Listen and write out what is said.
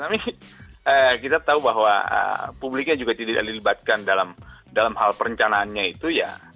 tapi kita tahu bahwa publiknya juga tidak dilibatkan dalam hal perencanaannya itu ya